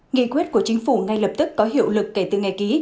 nghị quyết của chính phủ ngay lập tức có hiệu lực kể từ ngày ký